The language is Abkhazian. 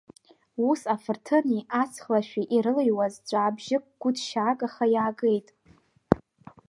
Ус афырҭыни аҵх лашәи ирылыҩуаз ҵәаабжьык гәыҭшьаагаха иаагеит.